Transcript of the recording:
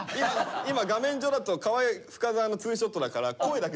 今画面上だと河合深澤のツーショットだから声だけ出てる。